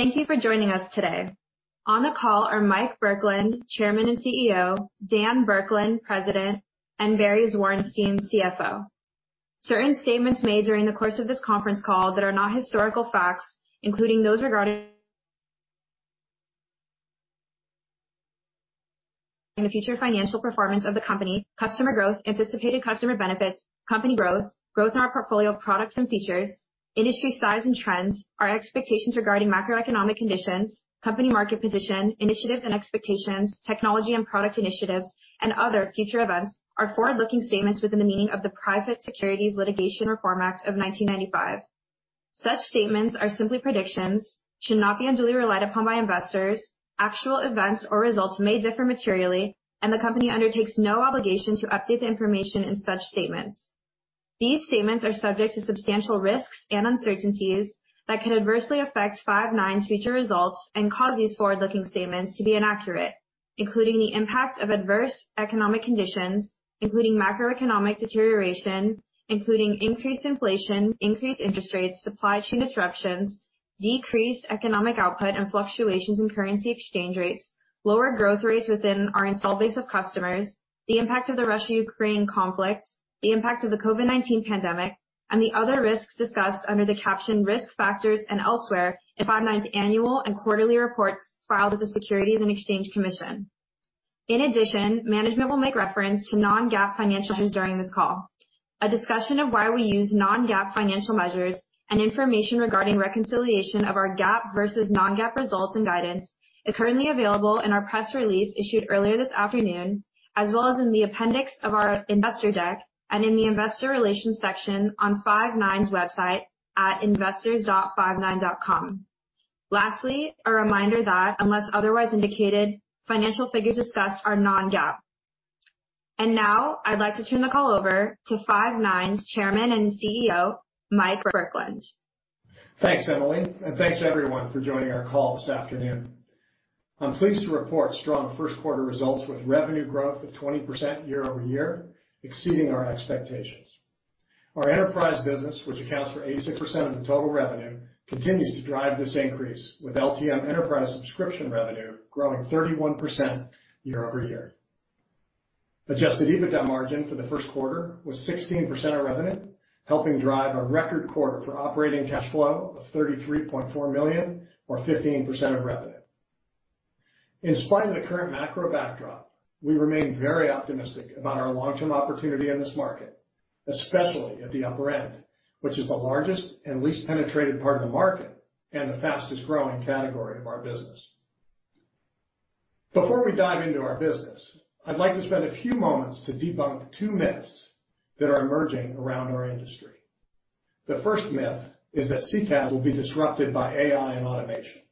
Thank you for joining us today. On the call are Mike Burkland, Chairman and CEO, Dan Burkland, President, and Barry Zwarenstein, CFO. Certain statements made during the course of this conference call that are not historical facts, including those regarding the future financial performance of the company, customer growth, anticipated customer benefits, company growth in our portfolio of products and features, industry size and trends, our expectations regarding macroeconomic conditions, company market position, initiatives and expectations, technology and product initiatives, and other future events are forward-looking statements within the meaning of the Private Securities Litigation Reform Act of 1995. Such statements are simply predictions, should not be unduly relied upon by investors. Actual events or results may differ materially, the company undertakes no obligation to update the information in such statements. These statements are subject to substantial risks and uncertainties that could adversely affect Five9's future results and cause these forward-looking statements to be inaccurate, including the impact of adverse economic conditions, including macroeconomic deterioration, including increased inflation, increased interest rates, supply chain disruptions, decreased economic output, and fluctuations in currency exchange rates, lower growth rates within our installed base of customers, the impact of the Russia-Ukraine conflict, the impact of the COVID-19 pandemic, and the other risks discussed under the caption Risk Factors and elsewhere in Five9's annual and quarterly reports filed with the Securities and Exchange Commission. In addition, management will make reference to non-GAAP financials during this call. A discussion of why we use non-GAAP financial measures and information regarding reconciliation of our GAAP versus non-GAAP results and guidance is currently available in our press release issued earlier this afternoon, as well as in the appendix of our investor deck and in the investor relations section on Five9's website at investors.five9.com. Lastly, a reminder that unless otherwise indicated, financial figures discussed are non-GAAP. Now I'd like to turn the call over to Five9's Chairman and CEO, Mike Burkland. Thanks, Emily, thanks everyone for joining our call this afternoon. I'm pleased to report strong first quarter results with revenue growth of 20% year-over-year, exceeding our expectations. Our enterprise business, which accounts for 86% of the total revenue, continues to drive this increase, with LTM enterprise subscription revenue growing 31% year-over-year. Adjusted EBITDA margin for the first quarter was 16% of revenue, helping drive a record quarter for operating cash flow of $33.4 million or 15% of revenue. In spite of the current macro backdrop, we remain very optimistic about our long-term opportunity in this market, especially at the upper end, which is the largest and least penetrated part of the market and the fastest-growing category of our business. Before we dive into our business, I'd like to spend a few moments to debunk two myths that are emerging around our industry. The first myth is that CCaaS will be disrupted by AI and automation.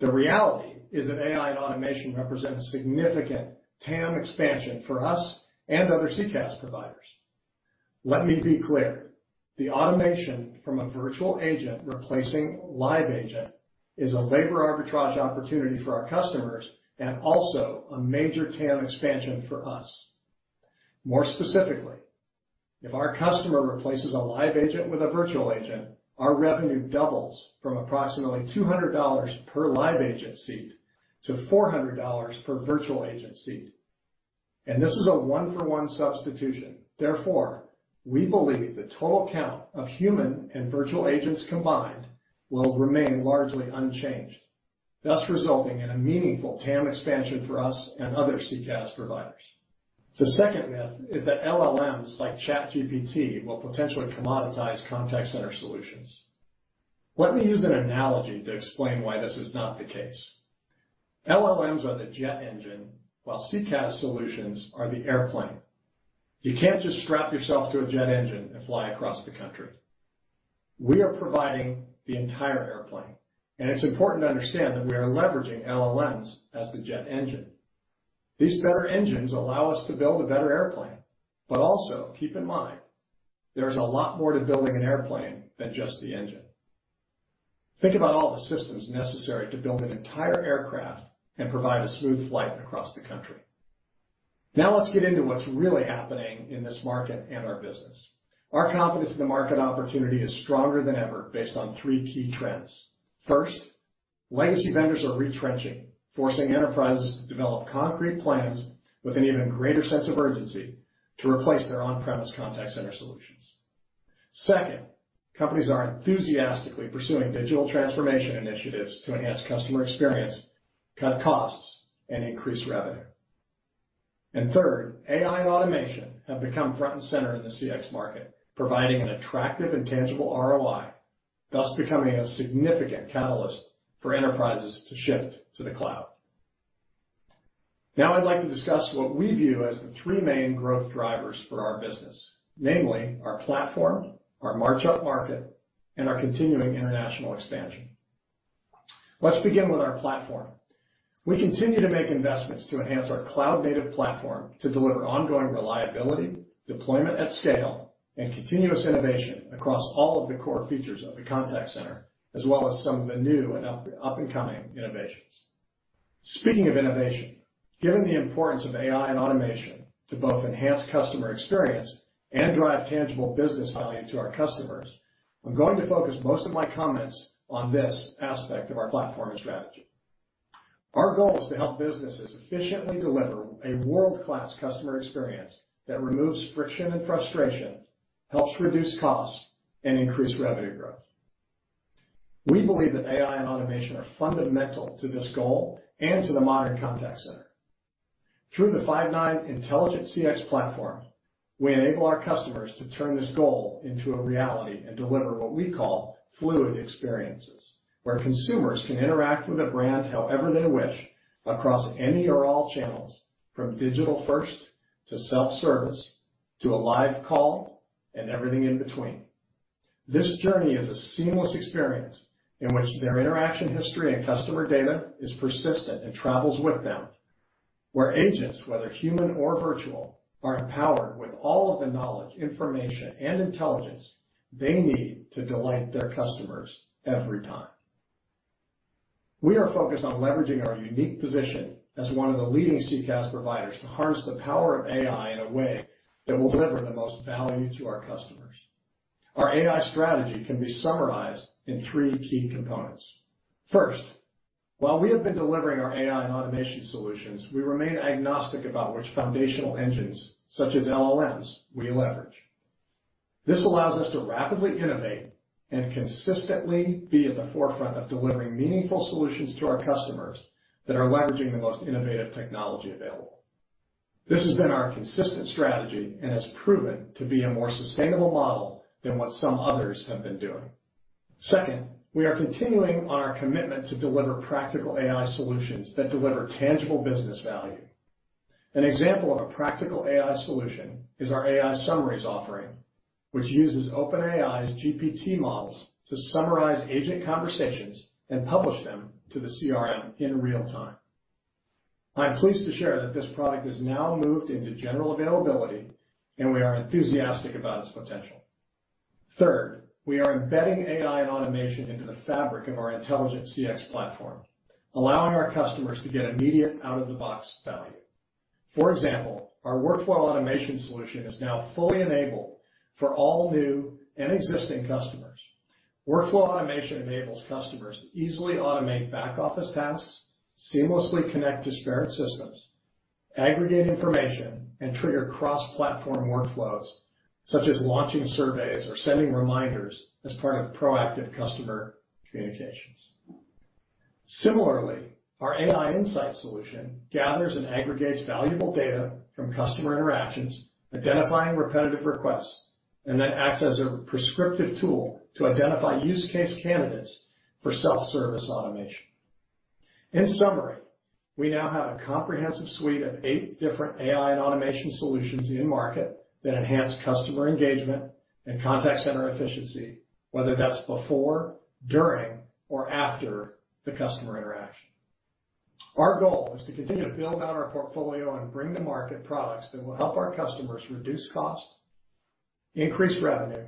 The reality is that AI and automation represents significant TAM expansion for us and other CCaaS providers. Let me be clear. The automation from a virtual agent replacing a live agent is a labor arbitrage opportunity for our customers and also a major TAM expansion for us. More specifically, if our customer replaces a live agent with a virtual agent, our revenue doubles from approximately $200 per live agent seat to $400 per virtual agent seat. This is a one-for-one substitution. Therefore, we believe the total count of human and virtual agents combined will remain largely unchanged, thus resulting in a meaningful TAM expansion for us and other CCaaS providers. The second myth is that LLMs like ChatGPT will potentially commoditize contact center solutions. Let me use an analogy to explain why this is not the case. LLMs are the jet engine, while CCaaS solutions are the airplane. You can't just strap yourself to a jet engine and fly across the country. We are providing the entire airplane. It's important to understand that we are leveraging LLMs as the jet engine. These better engines allow us to build a better airplane. Also keep in mind, there's a lot more to building an airplane than just the engine. Think about all the systems necessary to build an entire aircraft and provide a smooth flight across the country. Let's get into what's really happening in this market and our business. Our confidence in the market opportunity is stronger than ever based on three key trends. First, legacy vendors are retrenching, forcing enterprises to develop concrete plans with an even greater sense of urgency to replace their on-premise contact center solutions. Second, companies are enthusiastically pursuing digital transformation initiatives to enhance customer experience, cut costs, and increase revenue. Third, AI and automation have become front and center in the CX market, providing an attractive and tangible ROI, thus becoming a significant catalyst for enterprises to shift to the cloud. Now I'd like to discuss what we view as the three main growth drivers for our business, namely our platform, our march-up market, and our continuing international expansion. Let's begin with our platform. We continue to make investments to enhance our cloud-native platform to deliver ongoing reliability, deployment at scale, and continuous innovation across all of the core features of the contact center, as well as some of the new and up-and-coming innovations. Speaking of innovation, given the importance of AI and automation to both enhance customer experience and drive tangible business value to our customers, I'm going to focus most of my comments on this aspect of our platform and strategy. Our goal is to help businesses efficiently deliver a world-class customer experience that removes friction and frustration, helps reduce costs, and increase revenue growth. We believe that AI and automation are fundamental to this goal and to the modern contact center. Through the Five9 Intelligent CX Platform, we enable our customers to turn this goal into a reality and deliver what we call fluid experiences, where consumers can interact with a brand however they wish across any or all channels from digital first to self-service to a live call and everything in between. This journey is a seamless experience in which their interaction history and customer data is persistent and travels with them, where agents, whether human or virtual, are empowered with all of the knowledge, information, and intelligence they need to delight their customers every time. We are focused on leveraging our unique position as one of the leading CCaaS providers to harness the power of AI in a way that will deliver the most value to our customers. Our AI strategy can be summarized in three key components. First, while we have been delivering our AI and automation solutions, we remain agnostic about which foundational engines, such as LLMs, we leverage. This allows us to rapidly innovate and consistently be at the forefront of delivering meaningful solutions to our customers that are leveraging the most innovative technology available. This has been our consistent strategy and has proven to be a more sustainable model than what some others have been doing. Second, we are continuing on our commitment to deliver practical AI solutions that deliver tangible business value. An example of a practical AI solution is our AI Summaries offering, which uses OpenAI's GPT models to summarize agent conversations and publish them to the CRM in real time. I'm pleased to share that this product has now moved into general availability, and we are enthusiastic about its potential. Third, we are embedding AI and automation into the fabric of our Intelligent CX Platform, allowing our customers to get immediate out-of-the-box value. For example, our Workflow Automation solution is now fully enabled for all new and existing customers. Workflow Automation enables customers to easily automate back-office tasks, seamlessly connect disparate systems, aggregate information, and trigger cross-platform workflows, such as launching surveys or sending reminders as part of proactive customer communications. Similarly, our AI Insights solution gathers and aggregates valuable data from customer interactions, identifying repetitive requests, and then acts as a prescriptive tool to identify use case candidates for self-service automation. In summary, we now have a comprehensive suite of 8 different AI and automation solutions in market that enhance customer engagement and contact center efficiency, whether that's before, during, or after the customer interaction. Our goal is to continue to build out our portfolio and bring to market products that will help our customers reduce cost, increase revenue,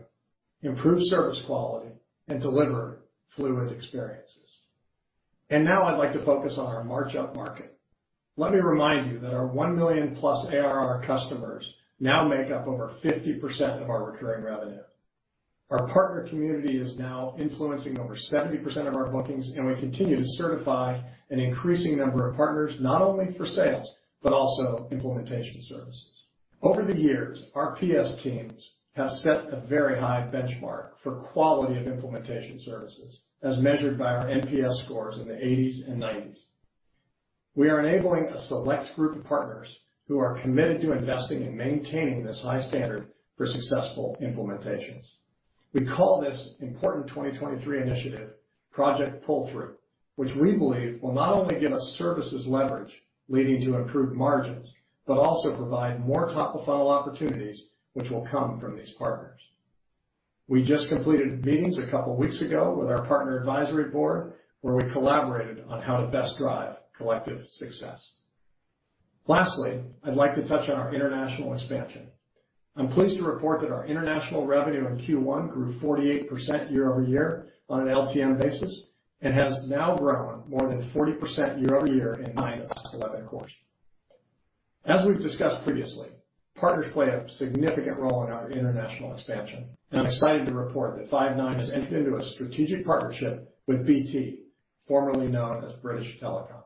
improve service quality, and deliver fluid experiences. Now I'd like to focus on our March upmarket. Let me remind you that our 1 million-plus ARR customers now make up over 50% of our recurring revenue. Our partner community is now influencing over 70% of our bookings, and we continue to certify an increasing number of partners, not only for sales, but also implementation services. Over the years, our PS teams have set a very high benchmark for quality of implementation services as measured by our NPS scores in the 80s and 90s. We are enabling a select group of partners who are committed to investing and maintaining this high standard for successful implementations. We call this important 2023 initiative Project Pull-Through, which we believe will not only give us services leverage leading to improved margins, but also provide more top-of-funnel opportunities which will come from these partners. We just completed meetings a couple weeks ago with our partner advisory board, where we collaborated on how to best drive collective success. Lastly, I'd like to touch on our international expansion. I'm pleased to report that our international revenue in Q1 grew 48% year-over-year on an LTM basis and has now grown more than 40% year-over-year in nine of the last 11 quarters. As we've discussed previously, partners play a significant role in our international expansion, and I'm excited to report that Five9 has entered into a strategic partnership with BT, formerly known as British Telecom.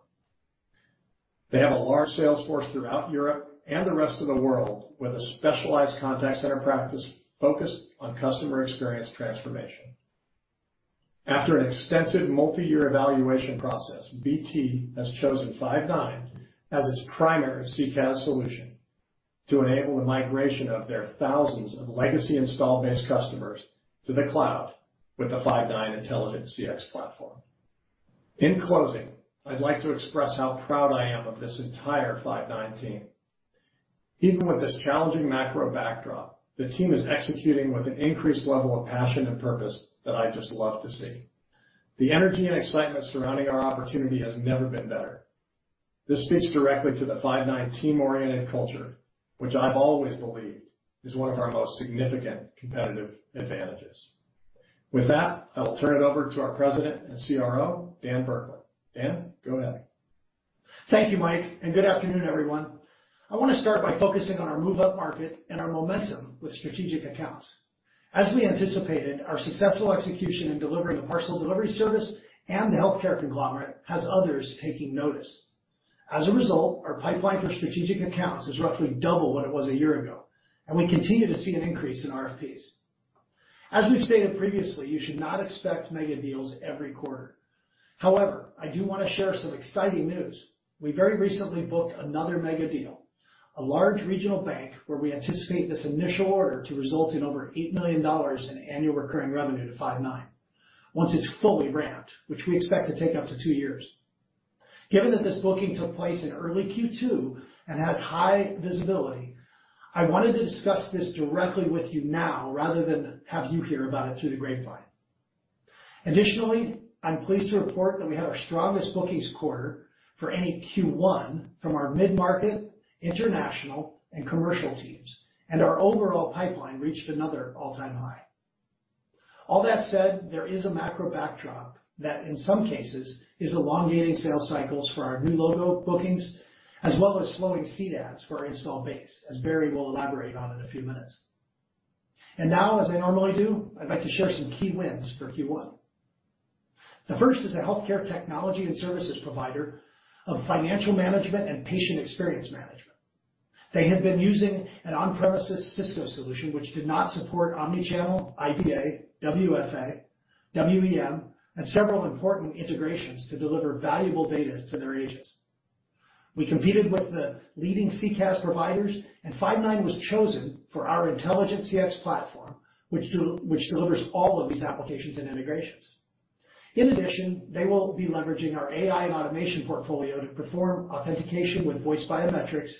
They have a large sales force throughout Europe and the rest of the world, with a specialized contact center practice focused on customer experience transformation. After an extensive multi-year evaluation process, BT has chosen Five9 as its primary CCaaS solution to enable the migration of their thousands of legacy install base customers to the cloud with the Five9 Intelligent CX Platform. In closing, I'd like to express how proud I am of this entire Five9 team. Even with this challenging macro backdrop, the team is executing with an increased level of passion and purpose that I just love to see. The energy and excitement surrounding our opportunity has never been better. This speaks directly to the Five9 team-oriented culture, which I've always believed is one of our most significant competitive advantages. With that, I'll turn it over to our President and CRO, Dan Burkland. Dan, go ahead. Thank you, Mike. Good afternoon, everyone. I wanna start by focusing on our move-up market and our momentum with strategic accounts. As we anticipated, our successful execution in delivering the parcel delivery service and the healthcare conglomerate has others taking notice. As a result, our pipeline for strategic accounts is roughly double what it was a year ago, and we continue to see an increase in RFPs. As we've stated previously, you should not expect mega deals every quarter. However, I do wanna share some exciting news. We very recently booked another mega deal, a large regional bank, where we anticipate this initial order to result in over $8 million in annual recurring revenue to Five9 once it's fully ramped, which we expect to take up to two years. Given that this booking took place in early Q2 and has high visibility, I wanted to discuss this directly with you now rather than have you hear about it through the grapevine. Additionally, I'm pleased to report that we had our strongest bookings quarter for any Q1 from our mid-market, international, and commercial teams, and our overall pipeline reached another all-time high. All that said, there is a macro backdrop that, in some cases, is elongating sales cycles for our new logo bookings, as well as slowing CDAPs for our install base, as Barry will elaborate on in a few minutes. Now, as I normally do, I'd like to share some key wins for Q1. The first is a healthcare technology and services provider of financial management and patient experience management. They had been using an on-premises Cisco solution which did not support omnichannel, IVA, WFA, WEM, and several important integrations to deliver valuable data to their agents. We competed with the leading CCaaS providers. Five9 was chosen for our intelligent CX Platform, which delivers all of these applications and integrations. In addition, they will be leveraging our AI and automation portfolio to perform authentication with voice biometrics,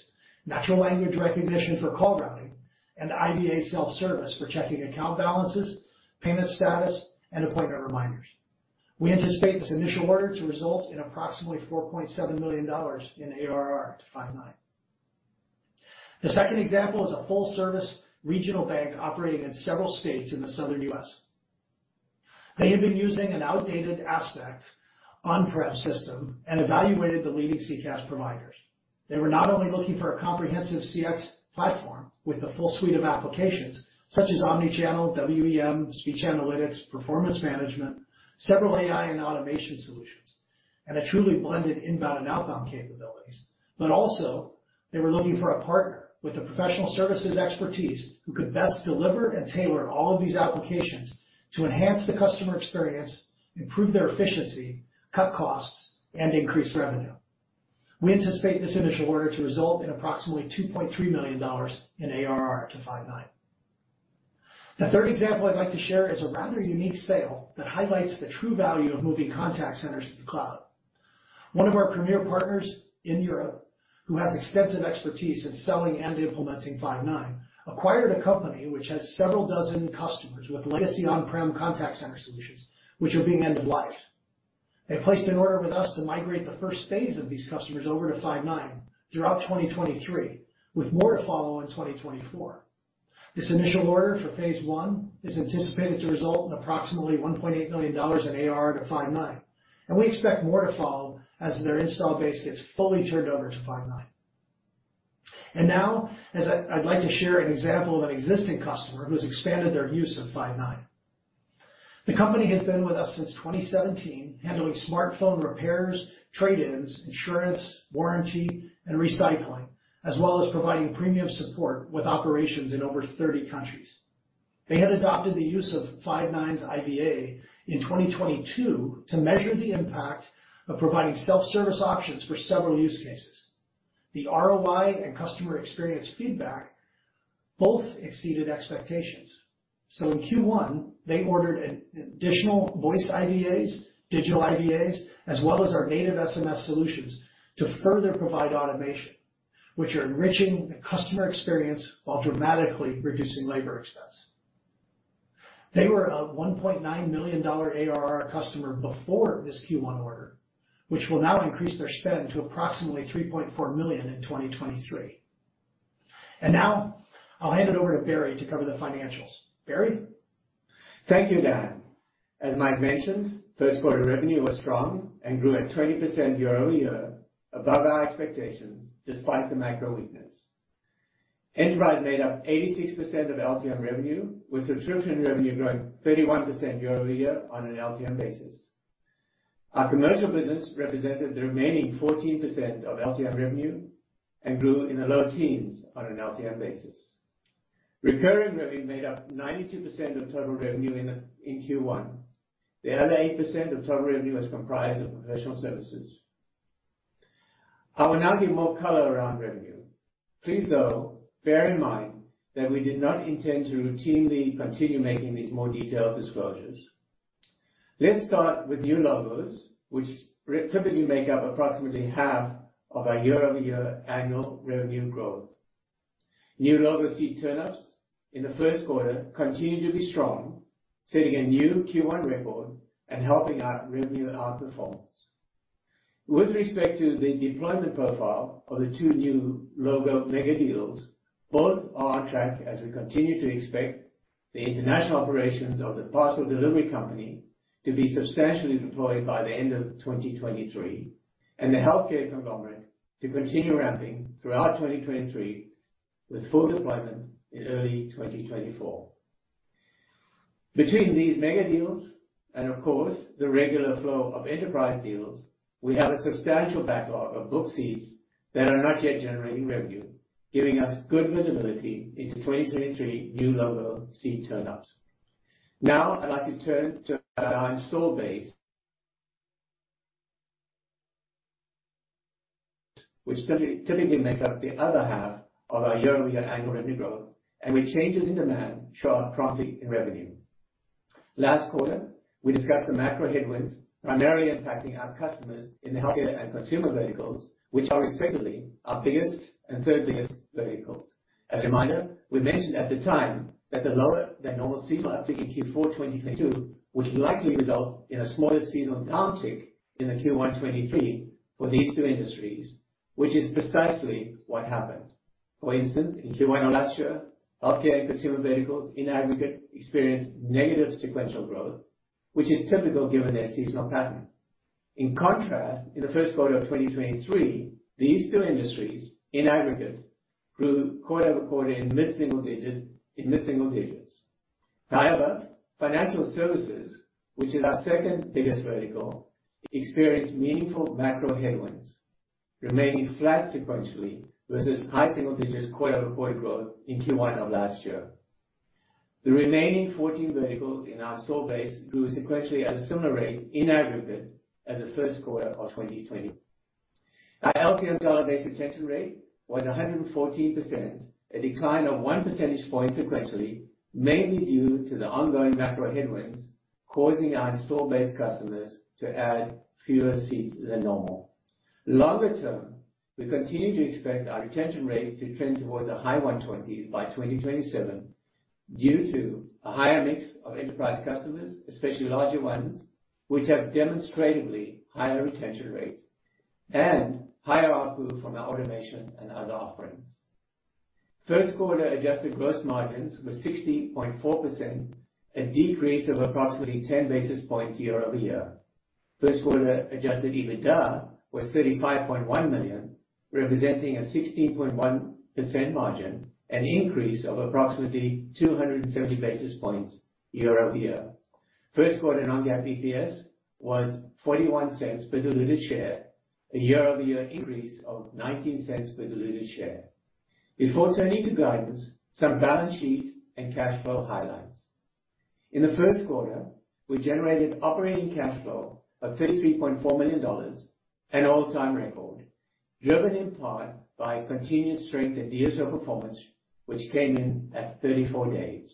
natural language recognition for call routing, and IVA self-service for checking account balances, payment status, and appointment reminders. We anticipate this initial order to result in approximately $4.7 million in ARR to Five9. The second example is a full-service regional bank operating in several states in the Southern US. They had been using an outdated Aspect on-prem system and evaluated the leading CCaaS providers. They were not only looking for a comprehensive CX platform with a full suite of applications such as omnichannel, WEM, speech analytics, performance management, several AI and automation solutions, and a truly blended inbound and outbound capabilities, but also they were looking for a partner with the professional services expertise who could best deliver and tailor all of these applications to enhance the customer experience, improve their efficiency, cut costs, and increase revenue. We anticipate this initial order to result in approximately $2.3 million in ARR to Five9. The third example I'd like to share is a rather unique sale that highlights the true value of moving contact centers to the cloud. One of our premier partners in Europe, who has extensive expertise in selling and implementing Five9, acquired a company which has several dozen customers with legacy on-prem contact center solutions, which are being end of life. They placed an order with us to migrate the first phase of these customers over to Five9 throughout 2023, with more to follow in 2024. This initial order for phase one is anticipated to result in approximately $1.8 million in ARR to Five9, and we expect more to follow as their install base gets fully turned over to Five9. As I'd like to share an example of an existing customer who's expanded their use of Five9. The company has been with us since 2017 handling smartphone repairs, trade-ins, insurance, warranty, and recycling, as well as providing premium support with operations in over 30 countries. They had adopted the use of Five9's IVA in 2022 to measure the impact of providing self-service options for several use cases. The ROI and customer experience feedback both exceeded expectations. In Q1, they ordered an additional voice IVAs, digital IVAs, as well as our native SMS solutions to further provide automation, which are enriching the customer experience while dramatically reducing labor expense. They were a $1.9 million ARR customer before this Q1 order, which will now increase their spend to approximately $3.4 million in 2023. Now I'll hand it over to Barry to cover the financials. Barry? Thank you, Dan. As Mike mentioned, first quarter revenue was strong and grew at 20% year-over-year above our expectations despite the macro weakness. Enterprise made up 86% of LTM revenue, with subscription revenue growing 31% year-over-year on an LTM basis. Our commercial business represented the remaining 14% of LTM revenue and grew in the low teens on an LTM basis. Recurring revenue made up 92% of total revenue in Q1. The other 8% of total revenue was comprised of professional services. I will now give more color around revenue. Please, though, bear in mind that we did not intend to routinely continue making these more detailed disclosures. Let's start with new logos, which typically make up approximately half of our year-over-year annual revenue growth. New logo seat turn-ups in the first quarter continued to be strong, setting a new Q1 record and helping our revenue outperforms. With respect to the deployment profile of the two new logo megadeals, both are on track as we continue to expect the international operations of the parcel delivery company to be substantially deployed by the end of 2023, and the healthcare conglomerate to continue ramping throughout 2023 with full deployment in early 2024. Between these mega deals and, of course, the regular flow of enterprise deals, we have a substantial backlog of book seats that are not yet generating revenue, giving us good visibility into 2023 new logo seat turn ups. I'd like to turn to our install base which typically makes up the other half of our year-over-year annual revenue growth and which changes in demand show up promptly in revenue. Last quarter, we discussed the macro headwinds primarily impacting our customers in the healthcare and consumer verticals, which are respectively our biggest and third biggest verticals. As a reminder, we mentioned at the time that the lower than normal season uptick in Q4 2022 would likely result in a smaller seasonal downtick in the Q1 2023 for these two industries, which is precisely what happened. For instance, in Q1 of last year, healthcare and consumer verticals, in aggregate, experienced negative sequential growth, which is typical given their seasonal pattern. In contrast, in the first quarter of 2023, these two industries, in aggregate, grew quarter-over-quarter in mid-single digits. Financial services, which is our second biggest vertical, experienced meaningful macro headwinds remaining flat sequentially versus high single digits quarter-over-quarter growth in Q1 of last year. The remaining 14 verticals in our install base grew sequentially at a similar rate in aggregate as the first quarter of 2020. Our LTM dollar-based retention rate was 114%, a decline of one percentage point sequentially, mainly due to the ongoing macro headwinds causing our install-based customers to add fewer seats than normal. Longer term, we continue to expect our retention rate to trend towards the high 120s by 2027 due to a higher mix of enterprise customers, especially larger ones, which have demonstratively higher retention rates and higher ARPU from our automation and other offerings. First quarter adjusted gross margins were 60.4%, a decrease of approximately 10 basis points year-over-year. First quarter adjusted EBITDA was $35.1 million, representing a 16.1% margin, an increase of approximately 270 basis points year-over-year. First quarter non-GAAP EPS was $0.41 per diluted share, a year-over-year increase of $0.19 per diluted share. Before turning to guidance, some balance sheet and cash flow highlights. In the first quarter, we generated operating cash flow of $33.4 million, an all-time record, driven in part by continuous strength in DSO performance, which came in at 34 days.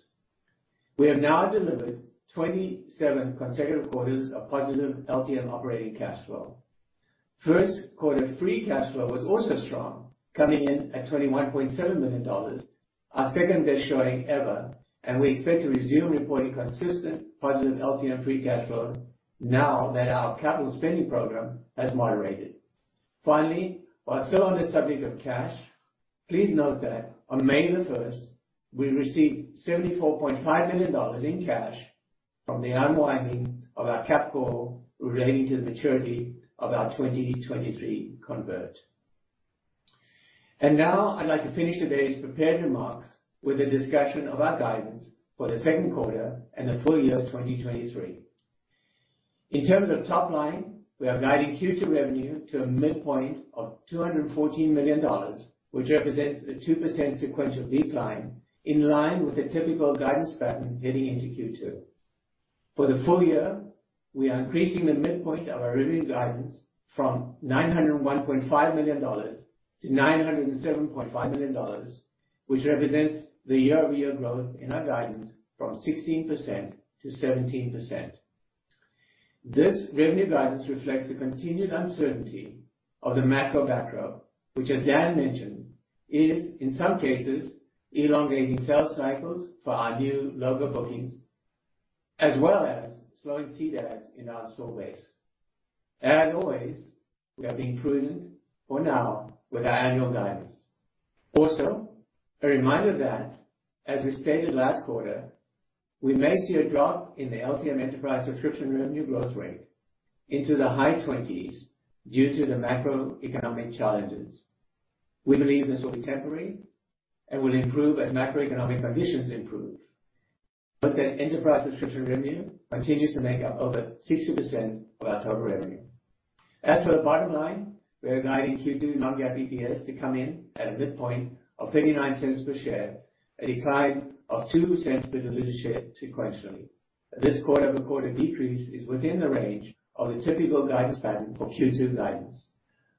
We have now delivered 27 consecutive quarters of positive LTM operating cash flow. First quarter free cash flow was also strong, coming in at $21.7 million, our second best showing ever. We expect to resume reporting consistent positive LTM free cash flow now that our capital spending program has moderated. Finally, while still on the subject of cash, please note that on May the first, we received $74.5 million in cash from the unwinding of our capped call relating to the maturity of our 2023 convert. Now I'd like to finish today's prepared remarks with a discussion of our guidance for the second quarter and the full year of 2023. In terms of top line, we are guiding Q2 revenue to a midpoint of $214 million, which represents a 2% sequential decline in line with the typical guidance pattern heading into Q2. For the full year, we are increasing the midpoint of our revenue guidance from $901.5 million to $907.5 million, which represents the year-over-year growth in our guidance from 16%-17%. This revenue guidance reflects the continued uncertainty of the macro backdrop, which as Dan mentioned, is, in some cases, elongating sales cycles for our new logo bookings, as well as slowing seat adds in our store base. As always, we are being prudent for now with our annual guidance. Also, a reminder that, as we stated last quarter, we may see a drop in the LTM enterprise subscription revenue growth rate into the high 20s due to the macroeconomic challenges. We believe this will be temporary and will improve as macroeconomic conditions improve. Note that enterprise subscription revenue continues to make up over 60% of our total revenue. As for the bottom line, we are guiding Q2 non-GAAP EPS to come in at a midpoint of $0.39 per share, a decline of $0.02 per diluted share sequentially. This quarter-over-quarter decrease is within the range of the typical guidance pattern for Q2 guidance.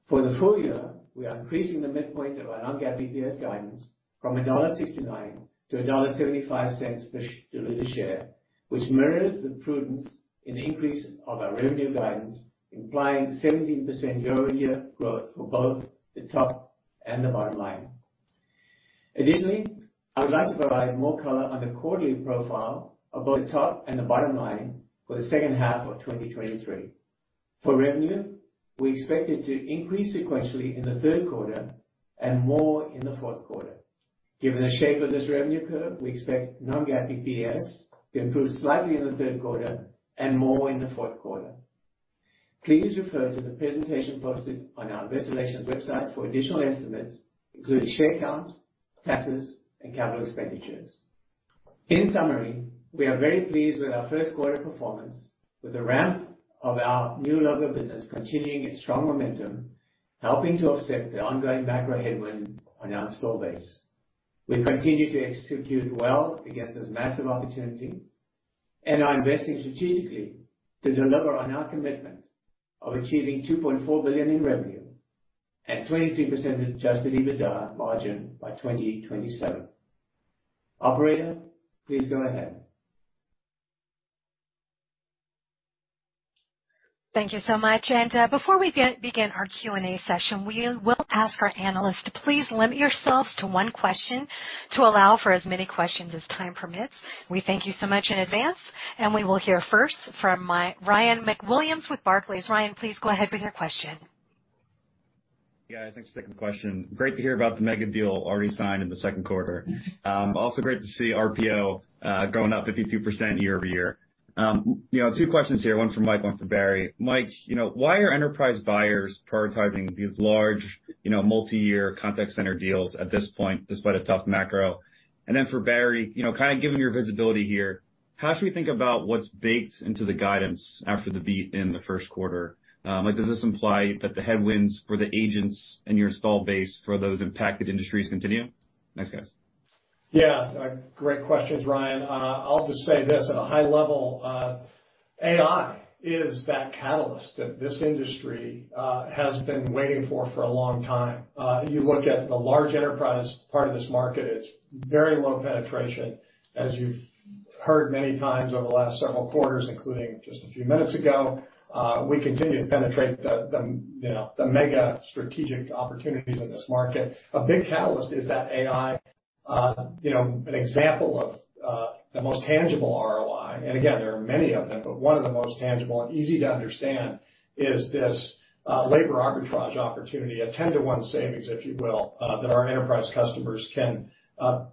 For the full year, we are increasing the midpoint of our non-GAAP EPS guidance from $1.69 to $1.75 per diluted share, which mirrors the prudence in increase of our revenue guidance, implying 17% year-over-year growth for both the top and the bottom line. I would like to provide more color on the quarterly profile of both the top and the bottom line for the second half of 2023. For revenue, we expect it to increase sequentially in the third quarter and more in the fourth quarter. Given the shape of this revenue curve, we expect non-GAAP EPS to improve slightly in the third quarter and more in the fourth quarter. Please refer to the presentation posted on our investor relations website for additional estimates, including share count, taxes, and capital expenditures. In summary, we are very pleased with our first quarter performance with the ramp of our new logo business continuing its strong momentum, helping to offset the ongoing macro headwind on our install base. We continue to execute well against this massive opportunity and are investing strategically to deliver on our commitment of achieving $2.4 billion in revenue and 23% adjusted EBITDA margin by 2027. Operator, please go ahead. Thank you so much. Before we begin our Q&A session, we will ask our analysts to please limit yourselves to one question to allow for as many questions as time permits. We thank you so much in advance, and we will hear first from Ryan MacWilliams with Barclays. Ryan, please go ahead with your question. Yeah. Thanks for taking the question. Great to hear about the mega deal already signed in the second quarter. Also great to see RPO going up 52% year-over-year. You know, 2 questions here, 1 for Mike, 1 for Barry. Mike, you know, why are enterprise buyers prioritizing these large, you know, multiyear contact center deals at this point, despite a tough macro? For Barry, you know, kinda giving your visibility here, how should we think about what's baked into the guidance after the beat in the first quarter? Like, does this imply that the headwinds for the agents and your install base for those impacted industries continue? Thanks, guys. Yeah. Great questions, Ryan. I'll just say this at a high level, AI is that catalyst that this industry has been waiting for for a long time. You look at the large enterprise part of this market, it's very low penetration. As you've heard many times over the last several quarters, including just a few minutes ago, we continue to penetrate the, you know, the mega strategic opportunities in this market. A big catalyst is that AI, you know, an example of the most tangible ROI, and again, there are many of them, but one of the most tangible and easy to understand is this labor arbitrage opportunity, a 10-to-1 savings, if you will, that our enterprise customers can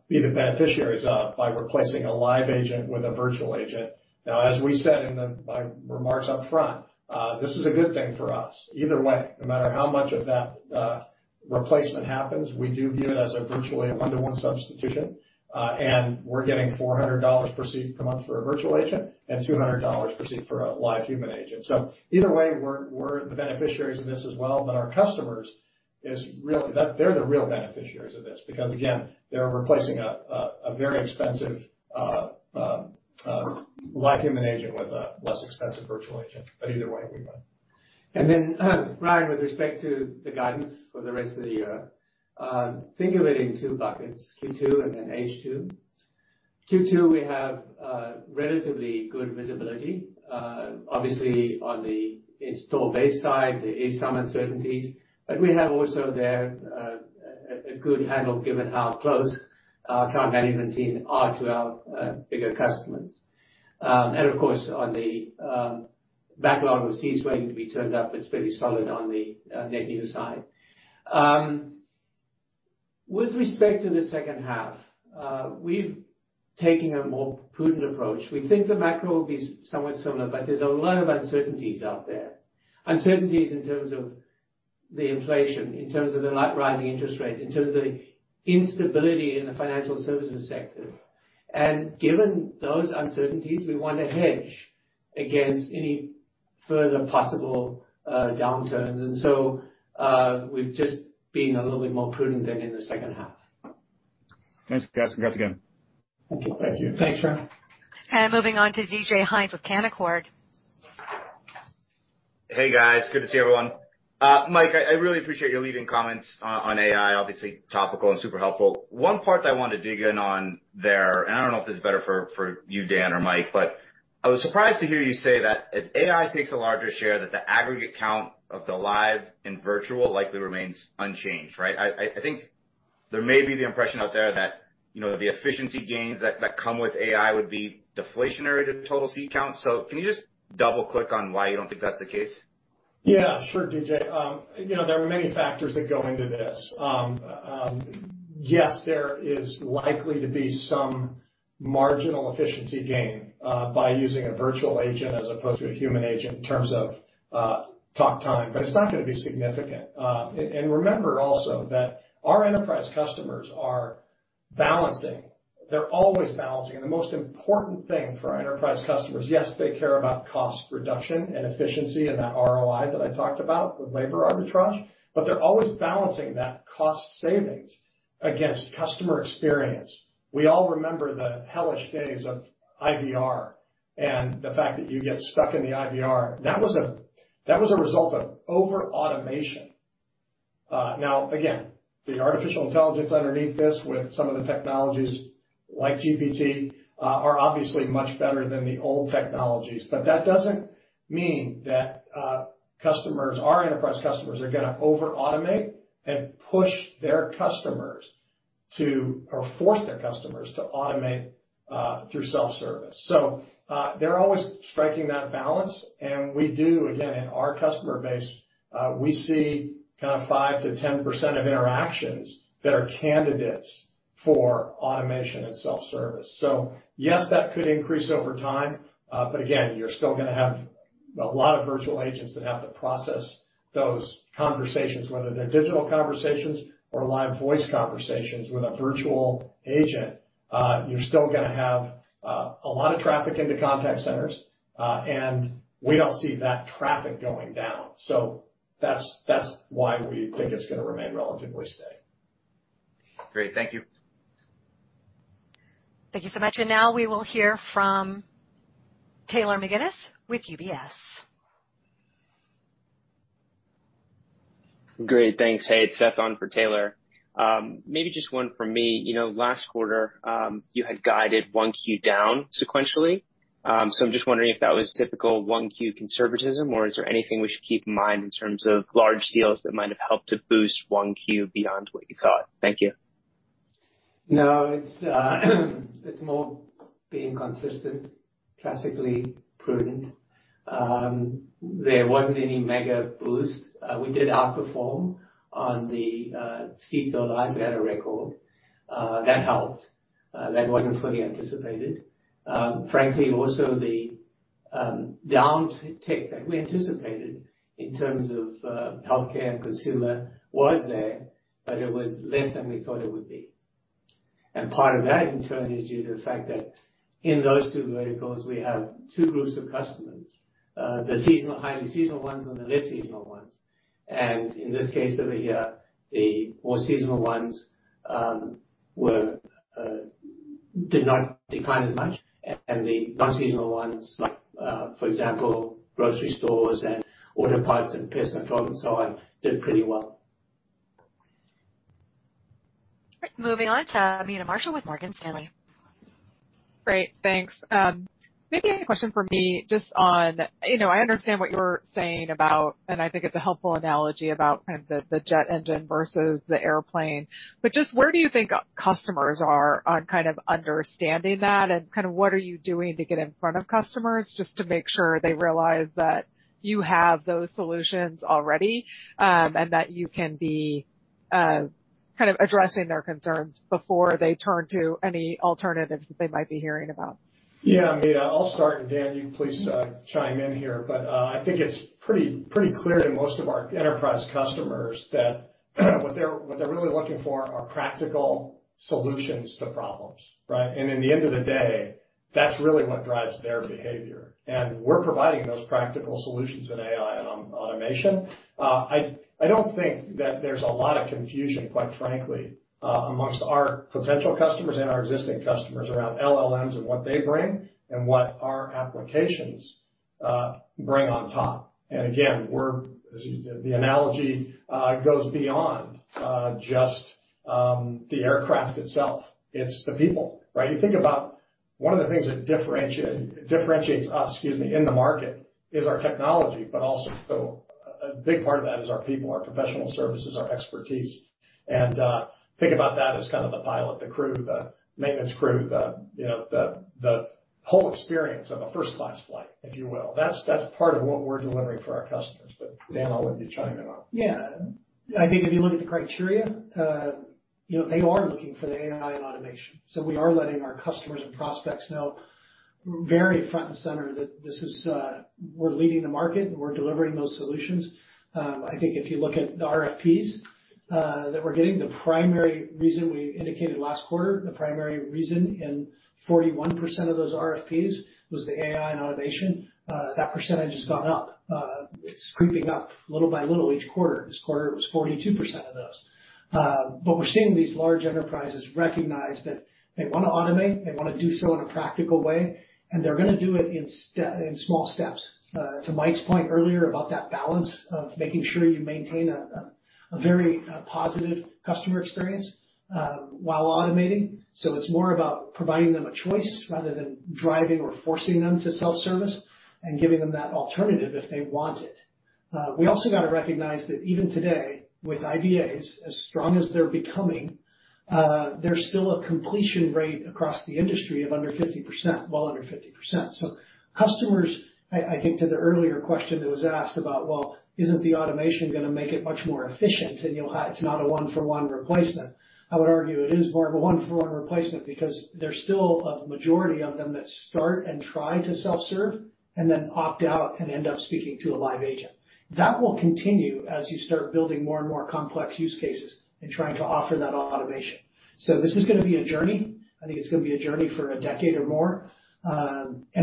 be the beneficiaries of by replacing a live agent with a virtual agent. Now, as we said in my remarks up front, this is a good thing for us. Either way, no matter how much of that replacement happens, we do view it as a virtually one-to-one substitution, and we're getting $400 per seat per month for a virtual agent and $200 per seat for a live human agent. Either way, we're the beneficiaries of this as well, but our customers is really. They're the real beneficiaries of this because, again, they're replacing a very expensive live human agent with a less expensive virtual agent. Either way, we win. Ryan, with respect to the guidance for the rest of the year, think of it in two buckets, Q2 and then H2. Q2, we have relatively good visibility. Obviously on the install base side, there is some uncertainties, but we have also there a good handle given how close our account management team are to our bigger customers. Of course, on the backlog we see is going to be turned up. It's pretty solid on the net new side. With respect to the second half, we've taken a more prudent approach. We think the macro will be somewhat similar, but there's a lot of uncertainties out there. Uncertainties in terms of the inflation, in terms of the rising interest rates, in terms of the instability in the financial services sector. Given those uncertainties, we want to hedge against any further possible downturns. We've just been a little bit more prudent than in the second half. Thanks, guys. Congrats again. Thank you. Thank you. Thanks, Ryan. Moving on to DJ Hynes with Canaccord. Hey, guys. Good to see everyone. Mike, I really appreciate your leading comments on AI, obviously topical and super helpful. One part that I wanted to dig in on there, and I don't know if this is better for you, Dan or Mike, but I was surprised to hear you say that as AI takes a larger share, that the aggregate count of the live and virtual likely remains unchanged, right? I think there may be the impression out there that, you know, the efficiency gains that come with AI would be deflationary to total seat count. Can you just double click on why you don't think that's the case? Yeah, sure, DJ. you know, there are many factors that go into this. Yes, there is likely to be some marginal efficiency gain by using a virtual agent as opposed to a human agent in terms of talk time, but it's not gonna be significant. Remember also that our enterprise customers are balancing. They're always balancing. The most important thing for our enterprise customers, yes, they care about cost reduction and efficiency and that ROI that I talked about with labor arbitrage, but they're always balancing that cost savings against customer experience. We all remember the hellish days of IVR and the fact that you get stuck in the IVR. That was a result of over-automation. Now again, the artificial intelligence underneath this with some of the technologies like GPT, are obviously much better than the old technologies. That doesn't mean that customers, our enterprise customers, are gonna over-automate and push their customers to or force their customers to automate through self-service. They're always striking that balance, and we do again in our customer base, we see kind of 5% to 10% of interactions that are candidates for automation and self-service. Yes, that could increase over time, but again, you're still gonna have a lot of virtual agents that have to process those conversations, whether they're digital conversations or live voice conversations with a virtual agent, you're still gonna have a lot of traffic into contact centers, and we don't see that traffic going down. That's why we think it's gonna remain relatively steady. Great. Thank you. Thank you so much. Now we will hear from Taylor McGinnis with UBS. Great. Thanks. Hey, it's Seth on for Taylor. Maybe just one from me. You know, last quarter, you had guided 1Q down sequentially. I'm just wondering if that was typical 1Q conservatism, or is there anything we should keep in mind in terms of large deals that might have helped to boost 1Q beyond what you thought? Thank you. No, it's more being consistent, classically prudent. There wasn't any mega boost. We did outperform on the ski record. That helped. That wasn't fully anticipated. Frankly, also the down tick that we anticipated in terms of healthcare and consumer was there, but it was less than we thought it would be. Part of that, in turn, is due to the fact that in those two verticals, we have two groups of customers, the highly seasonal ones and the less seasonal ones. In this case over here, the more seasonal ones, were did not decline as much. The non-seasonal ones, like, for example, grocery stores and auto parts and personal products and so on, did pretty well. Moving on to Meta Marshall with Morgan Stanley. Great. Thanks. Maybe a question for me just on. You know, I understand what you're saying about, and I think it's a helpful analogy about kind of the jet engine versus the airplane. Just where do you think customers are on kind of understanding that and kind of what are you doing to get in front of customers just to make sure they realize that you have those solutions already, and that you can be kind of addressing their concerns before they turn to any alternatives that they might be hearing about? Yeah. I mean, I'll start. Dan, you please chime in here. I think it's pretty clear to most of our enterprise customers that what they're really looking for are practical solutions to problems, right? In the end of the day, that's really what drives their behavior. We're providing those practical solutions in AI and automation. I don't think that there's a lot of confusion, quite frankly, amongst our potential customers and our existing customers around LLMs and what they bring and what our applications bring on top. Again, we're, as you said, the analogy goes beyond just the aircraft itself. It's the people, right? You think about one of the things that differentiates us, excuse me, in the market is our technology, but also a big part of that is our people, our professional services, our expertise. Think about that as kind of the pilot, the crew, the maintenance crew, the, you know, the whole experience of a first-class flight, if you will. That's part of what we're delivering for our customers. Dan, I'll let you chime in on. Yeah. I think if you look at the criteria, you know, they are looking for the AI and automation. We are letting our customers and prospects know very front and center that this is, we're leading the market, and we're delivering those solutions. I think if you look at the RFPs, that we're getting, the primary reason we indicated last quarter, the primary reason in 41% of those RFPs was the AI and automation. That percentage has gone up. It's creeping up little by little each quarter. This quarter, it was 42% of those. We're seeing these large enterprises recognize that they wanna automate, they wanna do so in a practical way, and they're gonna do it in small steps. To Mike's point earlier about that balance of making sure you maintain a very positive customer experience while automating. It's more about providing them a choice rather than driving or forcing them to self-service and giving them that alternative if they want it. We also got to recognize that even today, with IVAs, as strong as they're becoming, there's still a completion rate across the industry of under 50%. Well under 50%. Customers... I think to the earlier question that was asked about, Well, isn't the automation gonna make it much more efficient? You know, it's not a one-for-one replacement. I would argue it is more of a one-for-one replacement because there's still a majority of them that start and try to self-serve and then opt out and end up speaking to a live agent. That will continue as you start building more and more complex use cases and trying to offer that automation. This is gonna be a journey. I think it's gonna be a journey for a decade or more.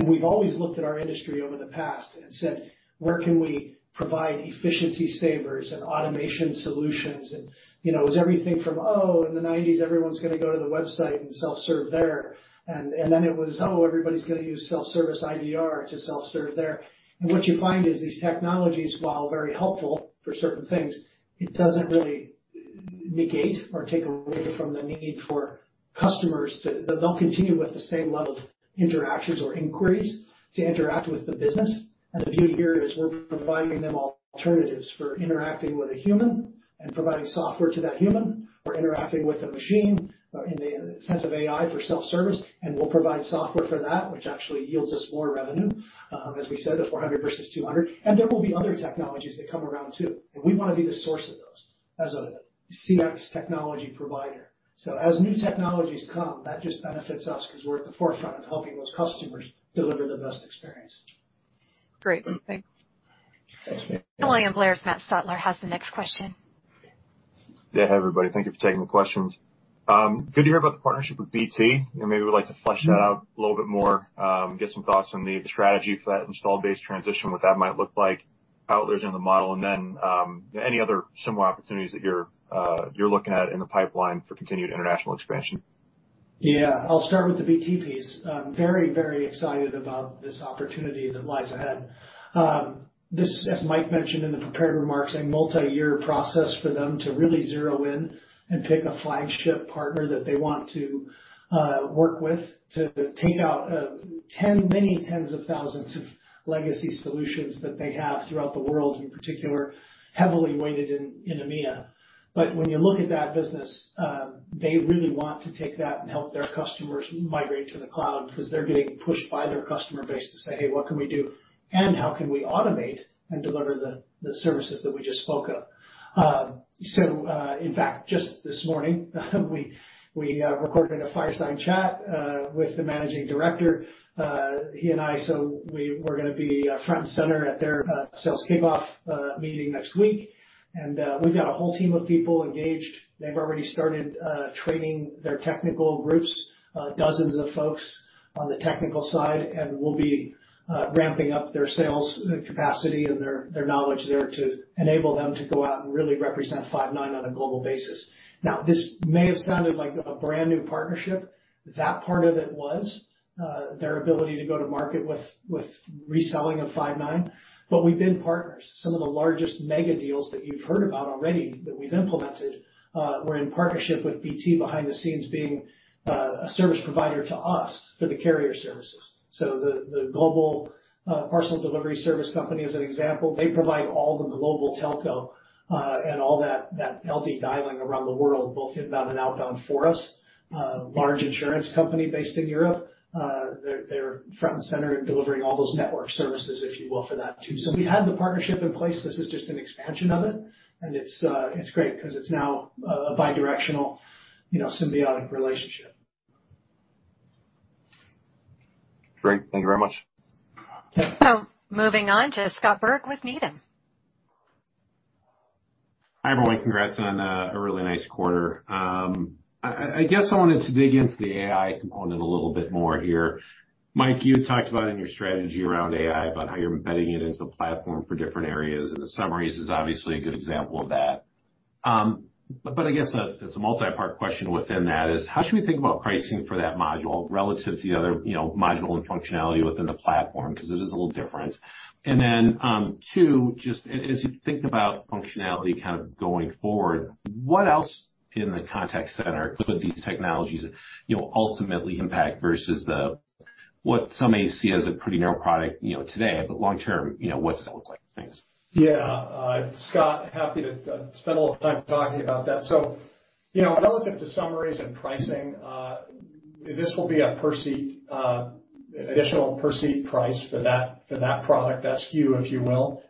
We've always looked at our industry over the past and said, "Where can we provide efficiency savers and automation solutions?" You know, it was everything from, in the nineties, everyone's gonna go to the website and self-serve there. Then it was, everybody's gonna use self-service IVR to self-serve there. What you find is these technologies, while very helpful for certain things, it doesn't really negate or take away from the need for customers. They'll continue with the same level of interactions or inquiries to interact with the business. The beauty here is we're providing them alternatives for interacting with a human and providing software to that human, or interacting with a machine, in the sense of AI for self-service, and we'll provide software for that which actually yields us more revenue, as we said, the 400 versus 200. There will be other technologies that come around too, and we wanna be the source of those as a CX technology provider. As new technologies come, that just benefits us 'cause we're at the forefront of helping those customers deliver the best experience. Great. Thanks. Thanks. William Blair's Matt Stauffer has the next question. Yeah. Hey, everybody. Thank you for taking the questions. Good to hear about the partnership with BT, and maybe would like to flesh that out a little bit more, get some thoughts on the strategy for that install base transition, what that might look like, how it lives in the model, and then, any other similar opportunities that you're looking at in the pipeline for continued international expansion. Yeah. I'll start with the BT piece. Very, very excited about this opportunity that lies ahead. This, as Mike mentioned in the prepared remarks, a multi-year process for them to really zero in and pick a flagship partner that they want to work with to take out many tens of thousands of legacy solutions that they have throughout the world, in particular, heavily weighted in EMEA. When you look at that business, they really want to take that and help their customers migrate to the cloud because they're getting pushed by their customer base to say, "Hey, what can we do, and how can we automate and deliver the services that we just spoke of?" In fact, just this morning, we recorded a Fireside Chat with the managing director, he and I, so we're gonna be front and center at their sales kickoff meeting next week. We've got a whole team of people engaged. They've already started training their technical groups, dozens of folks on the technical side, and we'll be ramping up their sales capacity and their knowledge there to enable them to go out and really represent Five9 on a global basis. This may have sounded like a brand-new partnership. That part of it was their ability to go to market with reselling of Five9, but we've been partners. Some of the largest mega deals that you've heard about already that we've implemented were in partnership with BT behind the scenes being a service provider to us for the carrier services. The global parcel delivery service company, as an example, they provide all the global telco and all that LD dialing around the world, both inbound and outbound for us. Large insurance company based in Europe, they're front and center in delivering all those network services, if you will, for that too. We had the partnership in place. This is just an expansion of it, and it's great 'cause it's now a bidirectional, you know, symbiotic relationship. Great. Thank you very much. Moving on to Scott Berg with Needham. Hi, everyone. Congrats on a really nice quarter. I guess I wanted to dig into the AI component a little bit more here. Mike, you had talked about in your strategy around AI about how you're embedding it into the platform for different areas, and the summaries is obviously a good example of that. But I guess, it's a multi-part question within that is how should we think about pricing for that module relative to the other, you know, module and functionality within the platform? 'Cause it is a little different. Two, just as you think about functionality kind of going forward, what else in the contact center could these technologies, you know, ultimately impact versus what some may see as a pretty narrow product, you know, today, but long term, you know, what does that look like? Thanks. Scott, happy to spend a little time talking about that. You know, relative to Summaries and pricing, this will be a per seat, an additional per seat price for that product SKU, if you will.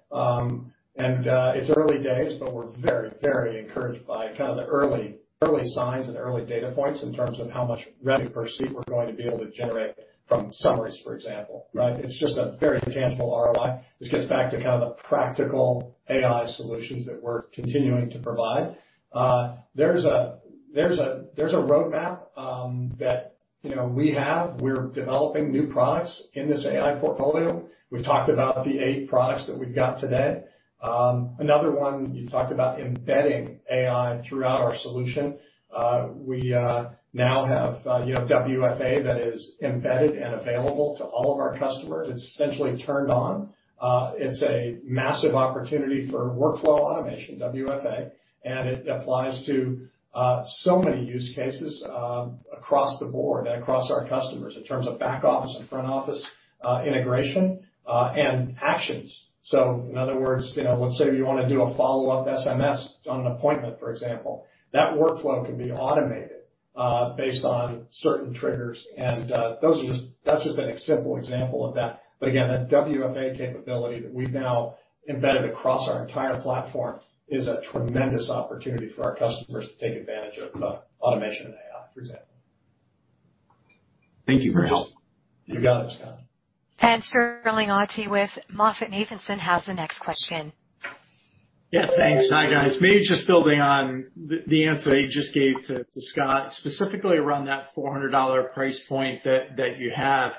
It's early days, but we're very encouraged by kind of the early signs and early data points in terms of how much revenue per seat we're going to be able to generate from Summaries, for example, right? It's just a very tangible ROI. This gets back to kind of the practical AI solutions that we're continuing to provide. There's a roadmap, that, you know, we have. We're developing new products in this AI portfolio. We've talked about the eight products that we've got today. Another one, you talked about embedding AI throughout our solution. We now have, you know, WFA that is embedded and available to all of our customers. It's essentially turned on. It's a massive opportunity for Workflow Automation, WFA, and it applies to so many use cases across the board and across our customers in terms of back-office and front-office integration and actions. In other words, you know, let's say you wanna do a follow-up SMS on an appointment, for example. That workflow can be automated based on certain triggers. That's just a simple example of that. Again, that WFA capability that we've now embedded across our entire platform is a tremendous opportunity for our customers to take advantage of automation and AI, for example. Thank you. Very helpful. You got it, Scott. Sterling Auty with MoffettNathanson has the next question. Yeah. Thanks. Hi, guys. Maybe just building on the answer you just gave to Scott, specifically around that $400 price point that you have.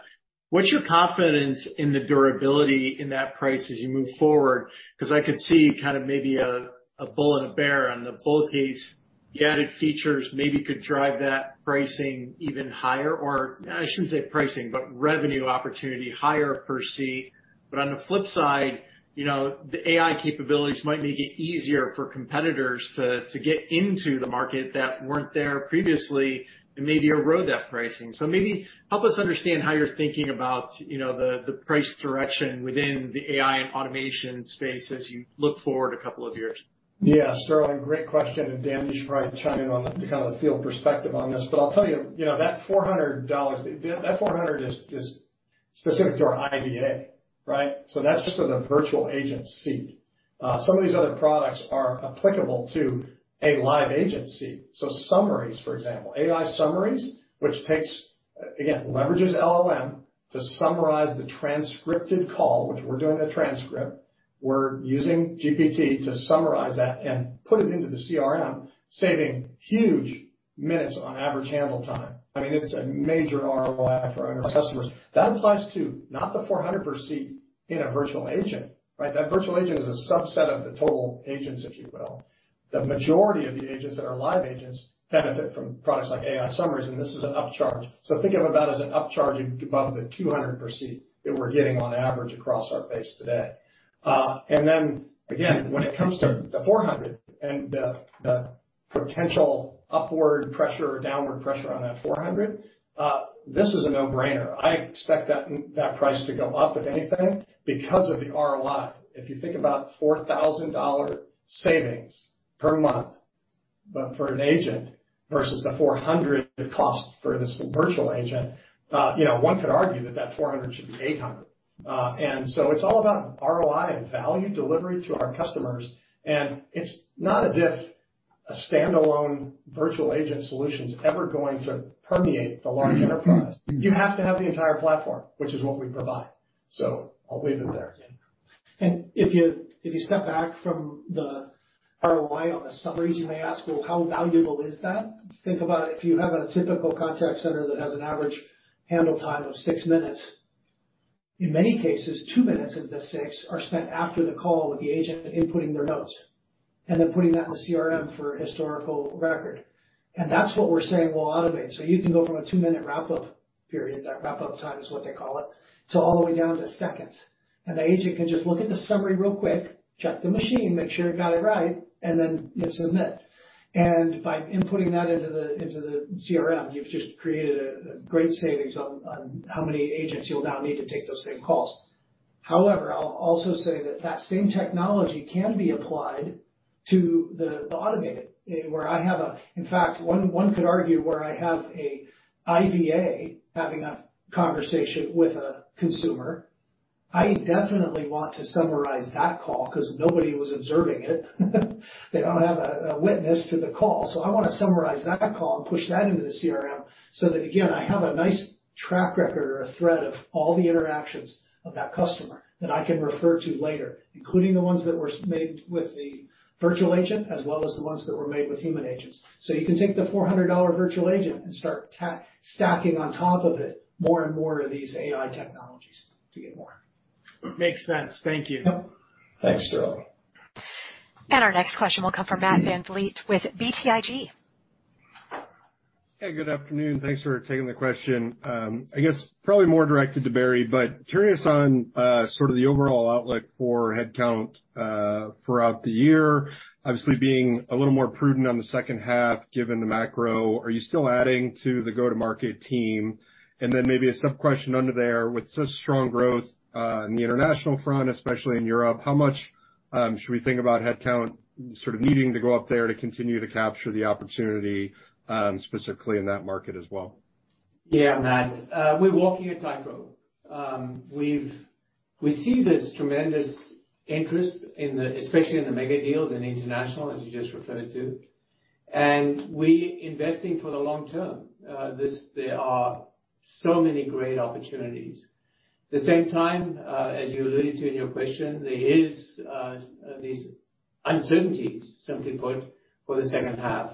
What's your confidence in the durability in that price as you move forward? I could see kind of maybe a bull and a bear. On the bull case, the added features maybe could drive that pricing even higher, or I shouldn't say pricing, but revenue opportunity higher per seat. On the flip side, you know, the AI capabilities might make it easier for competitors to get into the market that weren't there previously and maybe erode that pricing. Maybe help us understand how you're thinking about, you know, the price direction within the AI and automation space as you look forward a couple of years. Yeah, Sterling, great question. Dan, you should probably chime in on the kind of the field perspective on this. I'll tell you know, that $400. That 400 is specific to our IVA, right. That's just for the virtual agent seat. Some of these other products are applicable to a live agent seat. Summaries, for example, AI Summaries, which leverages LLM to summarize the transcripted call, which we're doing a transcript. We're using GPT to summarize that and put it into the CRM, saving huge minutes on average handle time. I mean, it's a major ROI for our customers. That applies to not the 400 per seat in a virtual agent, right. That virtual agent is a subset of the total agents, if you will. The majority of the agents that are live agents benefit from products like AI Summaries, this is an upcharge. Think of about as an upcharge above the $200 per seat that we're getting on average across our base today. Again, when it comes to the $400 and the potential upward pressure or downward pressure on that $400, this is a no-brainer. I expect that price to go up, if anything, because of the ROI. If you think about $4,000 savings per month, but for an agent versus the $400 cost for this virtual agent, you know, one could argue that that $400 should be $800. It's all about ROI and value delivery to our customers. It's not as if a standalone virtual agent solution is ever going to permeate the large enterprise. You have to have the entire platform, which is what we provide. I'll leave it there. If you step back from the ROI on the summaries, you may ask, "Well, how valuable is that?" Think about it. If you have a typical contact center that has an average handle time of 6 minutes, in many cases, 2 minutes of the 6 are spent after the call with the agent inputting their notes, and they're putting that in the CRM for historical record. That's what we're saying we'll automate. You can go from a 2-minute wrap-up period, that wrap-up time is what they call it, to all the way down to seconds. The agent can just look at the summary real quick, check the machine, make sure it got it right, and then hit Submit. By inputting that into the CRM, you've just created a great savings on how many agents you'll now need to take those same calls. However, I'll also say that that same technology can be applied to the automated, where I have a. In fact, one could argue where I have a IVA having a conversation with a consumer, I definitely want to summarize that call 'cause nobody was observing it. They don't have a witness to the call. I wanna summarize that call and push that into the CRM so that, again, I have a nice track record or a thread of all the interactions of that customer that I can refer to later, including the ones that were made with the virtual agent, as well as the ones that were made with human agents. You can take the $400 virtual agent and start stacking on top of it more and more of these AI technologies to get more. Makes sense. Thank you. Yep. Thanks, Sterling. Our next question will come from Matt Van Fleet with BTIG. Hey, good afternoon. Thanks for taking the question. I guess probably more directed to Barry, but curious on sort of the overall outlook for headcount throughout the year, obviously being a little more prudent on the second half given the macro. Are you still adding to the go-to-market team? Maybe a sub-question under there. With such strong growth in the international front, especially in Europe, how much should we think about headcount sort of needing to go up there to continue to capture the opportunity specifically in that market as well? Yeah, Matt. We're walking a tightrope. We see this tremendous interest especially in the mega deals in international, as you just referred it to, and we investing for the long term. There are so many great opportunities. The same time, as you alluded to in your question, there is these uncertainties, simply put, for the second half.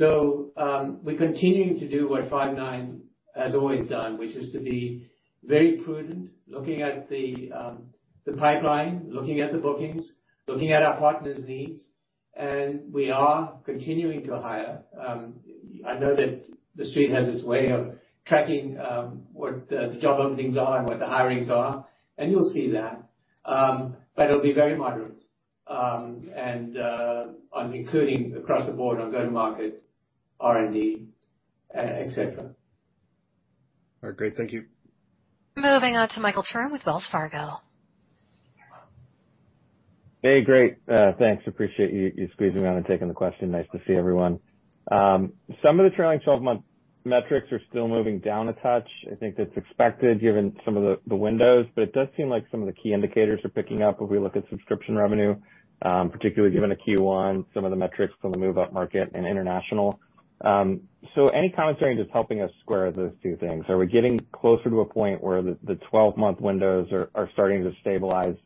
We're continuing to do what Five9 has always done, which is to be very prudent, looking at the pipeline, looking at the bookings, looking at our partners' needs, and we are continuing to hire. I know that the Street has its way of tracking what the job openings are and what the hirings are, and you'll see that. It'll be very moderate, and including across the board on go-to-market, R&D, et cetera. All right, great. Thank you. Moving on to Michael Turrin with Wells Fargo. Hey, great. Thanks. Appreciate you squeezing me on and taking the question. Nice to see everyone. Some of the trailing 12-month metrics are still moving down a touch. I think that's expected given some of the windows, but it does seem like some of the key indicators are picking up if we look at subscription revenue, particularly given the Q1, some of the metrics from the move-up market and international. Any commentary just helping us square those two things? Are we getting closer to a point where the 12-month windows are starting to stabilize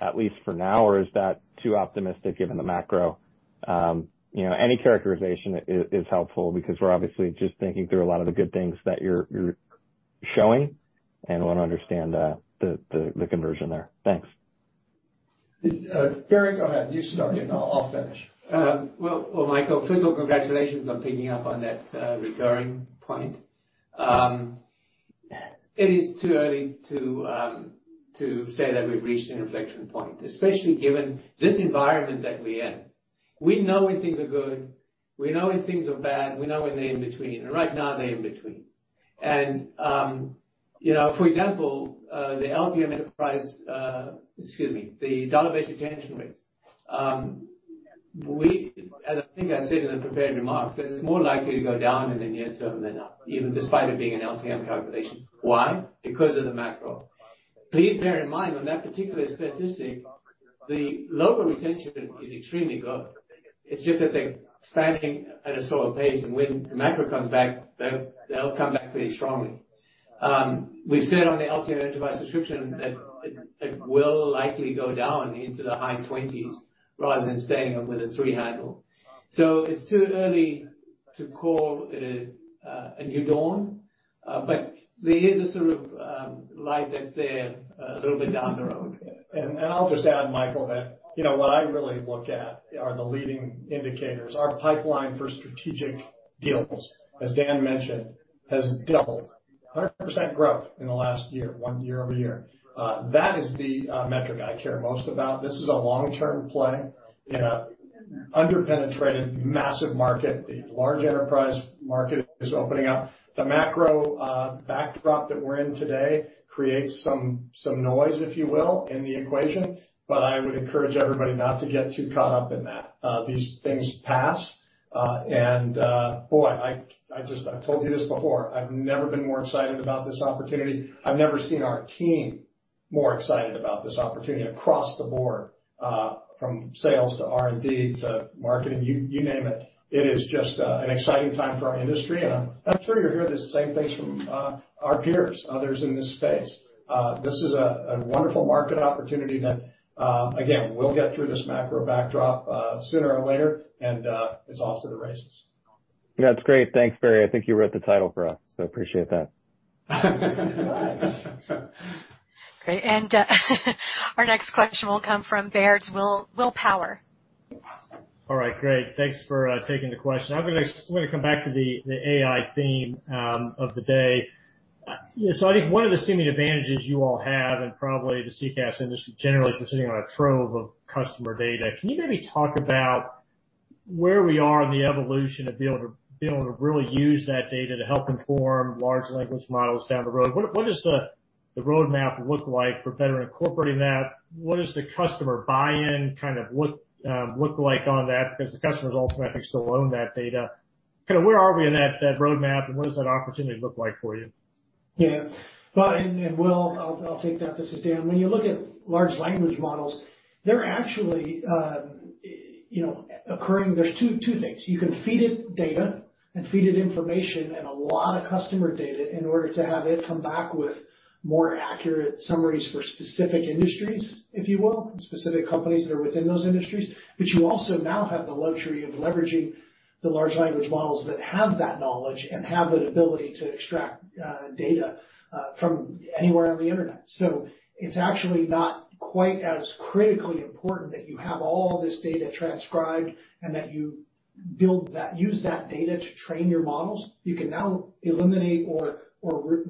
at least for now, or is that too optimistic given the macro? You know, any characterization is helpful because we're obviously just thinking through a lot of the good things that you're showing and wanna understand the conversion there. Thanks. Barry, go ahead. You start it, and I'll finish. Well, Michael, first of all, congratulations on picking up on that recurring point. It is too early to say that we've reached an inflection point, especially given this environment that we're in. We know when things are good, we know when things are bad, we know when they're in between, and right now they're in between. You know, for example, the dollar-based retention rates. As I think I said in the prepared remarks, this is more likely to go down in the near term than up, even despite it being an LTM calculation. Why? Because of the macro. Please bear in mind, on that particular statistic, the local retention is extremely good. It's just that they're starting at a slower pace, and when the macro comes back, they'll come back pretty strongly. We've said on the LTM device subscription that it will likely go down into the high twenties rather than staying up with a three handle. It's too early to call a new dawn, but there is a sort of light that's there a little bit down the road. I'll just add, Michael, that, you know, what I really look at are the leading indicators. Our pipeline for strategic deals, as Dan mentioned, has doubled. 100% growth in the last year, 1 year-over-year. That is the metric I care most about. This is a long-term play in a under-penetrated massive market. The large enterprise market is opening up. The macro backdrop that we're in today creates some noise, if you will, in the equation, but I would encourage everybody not to get too caught up in that. These things pass. Boy, I just I've told you this before, I've never been more excited about this opportunity. I've never seen our team more excited about this opportunity across the board, from sales to R&D to marketing, you name it. It is just an exciting time for our industry. I'm sure you'll hear the same things from our peers, others in this space. This is a wonderful market opportunity that again, we'll get through this macro backdrop sooner or later, it's off to the races. That's great. Thanks, Barry. I think you wrote the title for us, so I appreciate that. Great. Our next question will come from Baird's Will Power. All right. Great. Thanks for taking the question. I'm gonna come back to the AI theme of the day. I think one of the seeming advantages you all have and probably the CCaaS industry generally is you're sitting on a trove of customer data. Can you maybe talk about where we are in the evolution of being able to really use that data to help inform large language models down the road? What does the roadmap look like for better incorporating that? What does the customer buy-in kind of look like on that? Because the customers ultimately still own that data. Kinda where are we in that roadmap, and what does that opportunity look like for you? Yeah. Well, and Will, I'll take that. This is Dan. When you look at Large Language Models, they're actually, you know, occurring... There's two things. You can feed it data and feed it information and a lot of customer data in order to have it come back with more accurate summaries for specific industries, if you will, specific companies that are within those industries. But you also now have the luxury of leveraging the Large Language Models that have that knowledge and have that ability to extract data from anywhere on the internet. It's actually not quite as critically important that you have all this data transcribed and that you use that data to train your models. You can now eliminate or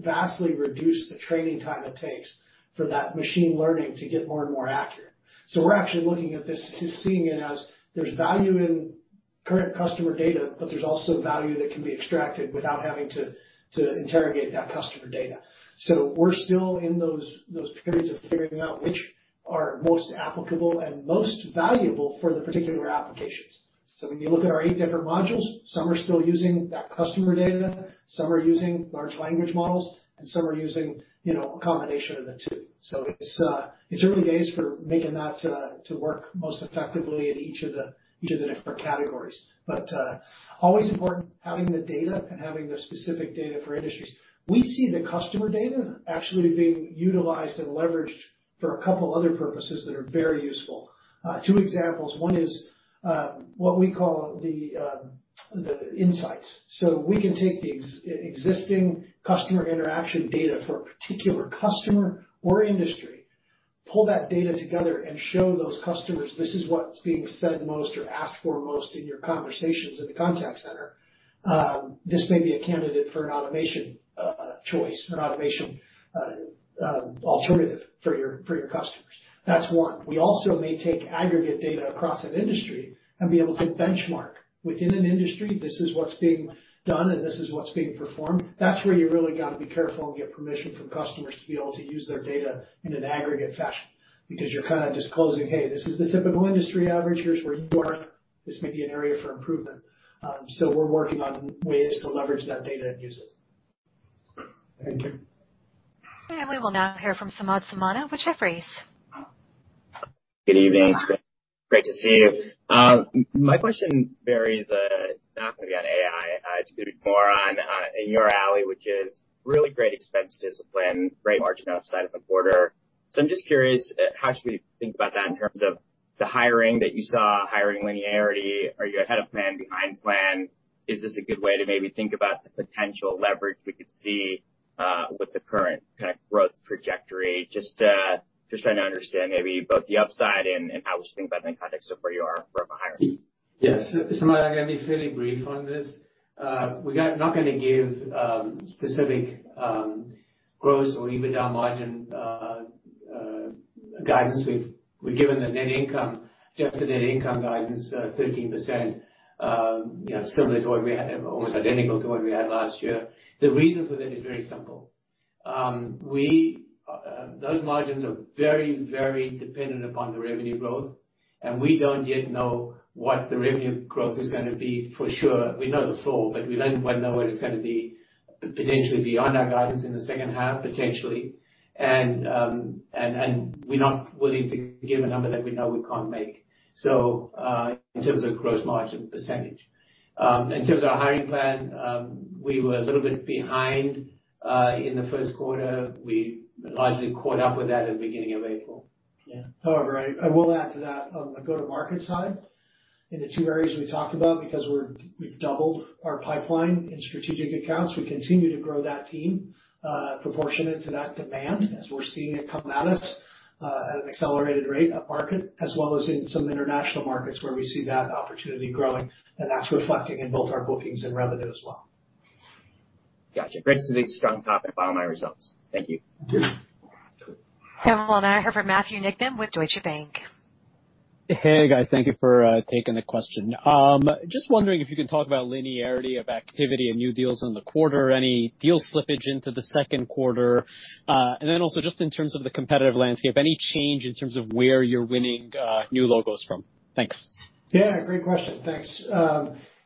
vastly reduce the training time it takes for that machine learning to get more and more accurate. We're actually looking at this, seeing it as there's value in current customer data, but there's also value that can be extracted without having to interrogate that customer data. We're still in those periods of figuring out which are most applicable and most valuable for the particular applications. When you look at our eight different modules, some are still using that customer data, some are using large language models, and some are using, you know, a combination of the two. It's early days for making that to work most effectively in each of the, each of the different categories. Always important having the data and having the specific data for industries. We see the customer data actually being utilized and leveraged for a couple other purposes that are very useful. Two examples. One is what we call the Insights. We can take the existing customer interaction data for a particular customer or industry, pull that data together, and show those customers this is what's being said most or asked for most in your conversations in the contact center. This may be a candidate for an automation choice, an automation alternative for your customers. That's one. We also may take aggregate data across an industry and be able to benchmark within an industry, this is what's being done, and this is what's being performed. That's where you really gotta be careful and get permission from customers to be able to use their data in an aggregate fashion because you're kinda disclosing, "Hey, this is the typical industry average. Here's where you are. This may be an area for improvement." We're working on ways to leverage that data and use it. Thank you. We will now hear from Samad Samana with Jefferies. Good evening. Great to see you. My question, Barry Zwarenstein, is it's not gonna be on AI. It's gonna be more on in your alley, which is really great expense discipline, great margin outside of the quarter. I'm just curious how should we think about that in terms of the hiring that you saw, hiring linearity? Are you ahead of plan, behind plan? Is this a good way to maybe think about the potential leverage we could see with the current kind of growth trajectory? Just trying to understand maybe both the upside and how we should think about it in the context of where you are from a hiring standpoint. Yes. I'm gonna be fairly brief on this. We're not gonna give specific gross or even down margin guidance. We've given the net income, just the net income guidance, 13%, you know, similar to what we had, almost identical to what we had last year. The reason for that is very simple. We, those margins are very, very dependent upon the revenue growth, and we don't yet know what the revenue growth is gonna be for sure. We know the floor, but we don't quite know where it's gonna be potentially beyond our guidance in the second half, potentially. We're not willing to give a number that we know we can't make, so in terms of gross margin percentage. In terms of our hiring plan, we were a little bit behind in the first quarter. We largely caught up with that in the beginning of April. Yeah. However, I will add to that on the go-to-market side in the two areas we talked about, because we've doubled our pipeline in strategic accounts. We continue to grow that team proportionate to that demand as we're seeing it come at us at an accelerated rate up market, as well as in some international markets where we see that opportunity growing, and that's reflecting in both our bookings and revenue as well. Gotcha. Great. This is strong top and bottom line results. Thank you. Thank you. We'll now hear from Matthew Niknam with Deutsche Bank. Hey, guys. Thank you for taking the question. Just wondering if you can talk about linearity of activity and new deals on the quarter, any deal slippage into the second quarter? Just in terms of the competitive landscape, any change in terms of where you're winning, new logos from? Thanks. Yeah, great question. Thanks.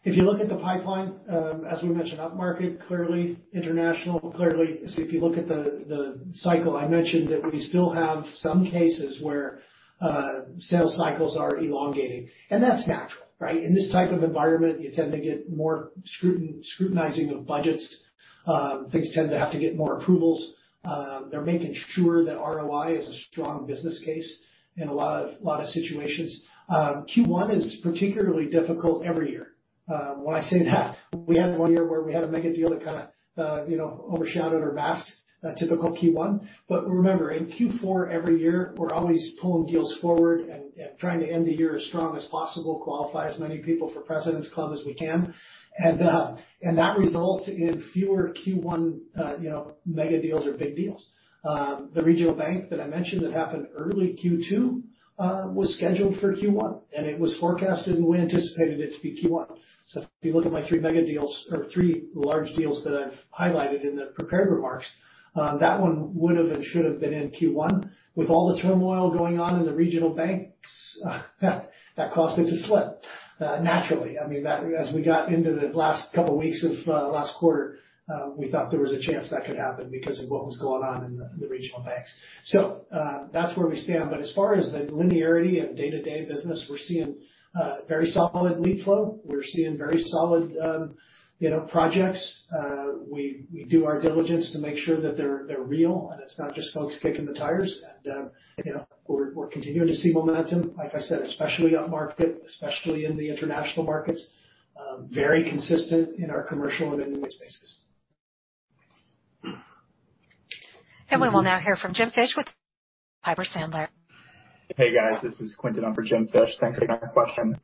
If you look at the pipeline, as we mentioned, up-market, clearly international, clearly. If you look at the cycle, I mentioned that we still have some cases where sales cycles are elongating, and that's natural, right? In this type of environment, you tend to get more scrutinizing of budgets. Things tend to have to get more approvals. They're making sure that ROI is a strong business case in a lot of, lot of situations. Q1 is particularly difficult every year. When I say that, we had one year where we had a mega deal that kinda, you know, overshadowed or masked a typical Q1. Remember, in Q4 every year, we're always pulling deals forward and trying to end the year as strong as possible, qualify as many people for President's Club as we can. That results in fewer Q1, you know, mega deals or big deals. The regional bank that I mentioned that happened early Q2 was scheduled for Q1, and it was forecasted, and we anticipated it to be Q1. If you look at my three mega deals or three large deals that I've highlighted in the prepared remarks, that one would've and should have been in Q1. With all the turmoil going on in the regional banks, that caused it to slip naturally. I mean, as we got into the last couple weeks of last quarter, we thought there was a chance that could happen because of what was going on in the regional banks. That's where we stand. As far as the linearity of day-to-day business, we're seeing very solid lead flow. We're seeing very solid, you know, projects. We do our diligence to make sure that they're real, and it's not just folks kicking the tires. You know, we're continuing to see momentum, like I said, especially up-market, especially in the international markets, very consistent in our commercial and industry spaces. We will now hear from James Fish with Piper Sandler. Hey, guys. This is Quentin on for James Fish. Thanks for taking my question.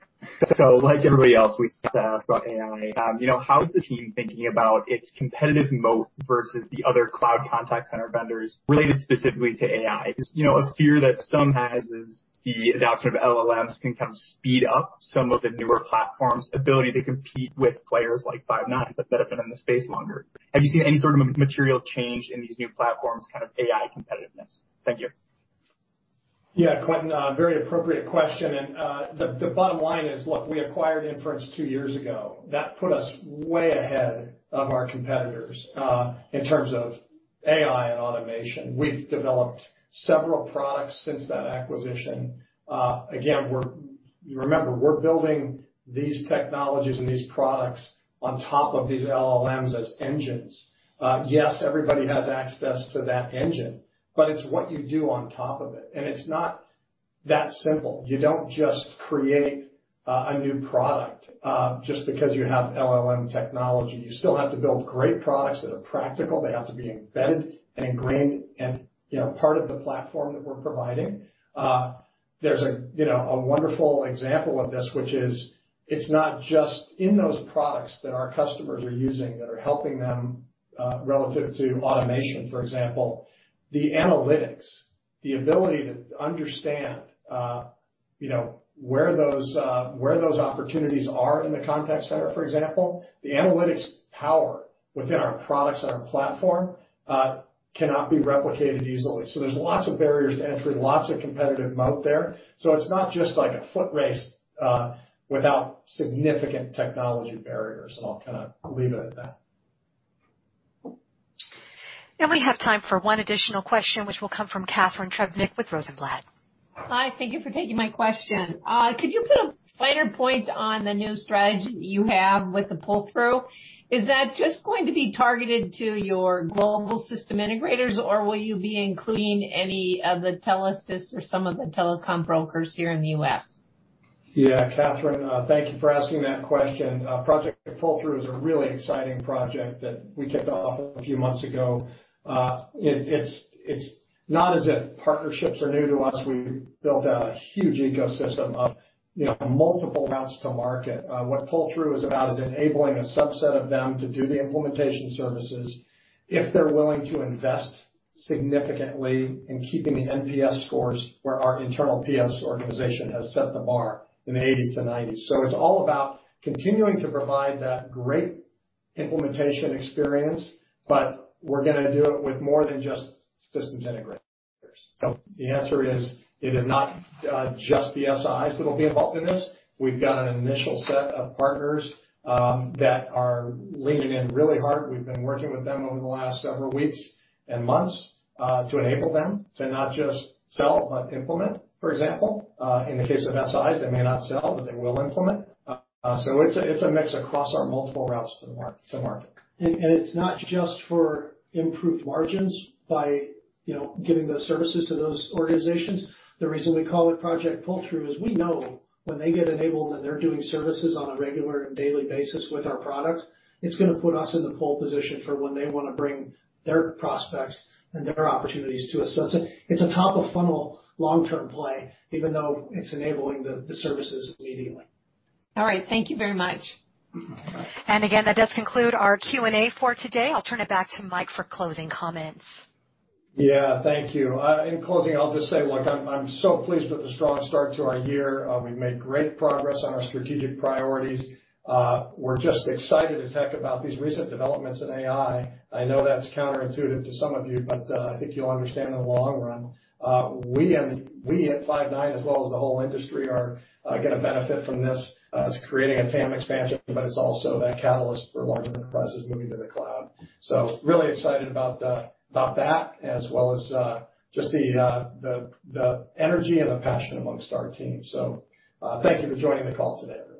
Like everybody else, we have to ask about AI. You know, how is the team thinking about its competitive moat versus the other cloud contact center vendors related specifically to AI? 'Cause, you know, a fear that some has is the adoption of LLMs can kind of speed up some of the newer platforms' ability to compete with players like Five9 that have been in the space longer. Have you seen any sort of material change in these new platforms, kind of AI competitiveness? Thank you. Yeah, Quentin, very appropriate question. The bottom line is, look, we acquired Inference 2 years ago. That put us way ahead of our competitors, in terms of AI and automation. We've developed several products since that acquisition. Again, remember, we're building these technologies and these products on top of these LLMs as engines. Yes, everybody has access to that engine, but it's what you do on top of it, and it's not that simple. You don't just create a new product just because you have LLM technology. You still have to build great products that are practical. They have to be embedded and ingrained and, you know, part of the platform that we're providing. There's a, you know, a wonderful example of this, which is it's not just in those products that our customers are using that are helping them, relative to automation, for example. The analytics, the ability to understand, you know, where those, where those opportunities are in the contact center, for example, the analytics power within our products and our platform, cannot be replicated easily. There's lots of barriers to entry, lots of competitive moat there. It's not just like a foot race, without significant technology barriers, and I'll kinda leave it at that. We have time for one additional question, which will come from Catharine Trebnick with Rosenblatt. Hi. Thank you for taking my question. Could you put a finer point on the new strategy you have with the Pull-Through? Is that just going to be targeted to your global system integrators, or will you be including any of the telesys or some of the telecom brokers here in the U.S.? Catharine, thank you for asking that question. Project Pull-Through is a really exciting project that we kicked off a few months ago. It's not as if partnerships are new to us. We've built a huge ecosystem of, you know, multiple routes to market. What Pull-Through is about is enabling a subset of them to do the implementation services if they're willing to invest significantly in keeping the NPS scores where our internal PS organization has set the bar in the 80s to 90s. It's all about continuing to provide that great implementation experience, but we're gonna do it with more than just system integrators. The answer is, it is not just the SIs that will be involved in this. We've got an initial set of partners that are leaning in really hard. We've been working with them over the last several weeks and months, to enable them to not just sell but implement. For example, in the case of SIs, they may not sell, but they will implement. It's a mix across our multiple routes to market. It's not just for improved margins by, you know, giving the services to those organizations. The reason we call it Project Pull-Through is we know when they get enabled, and they're doing services on a regular and daily basis with our product, it's gonna put us in the pole position for when they wanna bring their prospects and their opportunities to us. It's a top of funnel long-term play, even though it's enabling the services immediately. All right. Thank you very much. ..... Again, that does conclude our Q&A for today. I'll turn it back to Mike for closing comments. Yeah. Thank you. In closing, I'm so pleased with the strong start to our year. We've made great progress on our strategic priorities. We're just excited as heck about these recent developments in AI. I know that's counterintuitive to some of you, but I think you'll understand in the long run. We at Five9, as well as the whole industry are gonna benefit from this. It's creating a TAM expansion, but it's also that catalyst for larger enterprises moving to the cloud. Really excited about that, as well as just the energy and the passion amongst our team. Thank you for joining the call today, everyone.